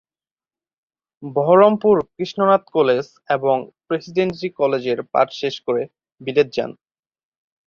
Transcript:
Baharampur Krishnanath college এবং Presidency কলেজের পাঠ শেষ করে বিলেত যান।